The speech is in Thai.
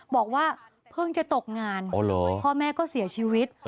บอกว่าเพิ่งจะตกงานพ่อแม่ก็เสียชีวิต